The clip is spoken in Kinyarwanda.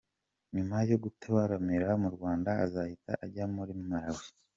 Nyuma yo gutaramira mu Rwanda azahita ajya muri Malawi.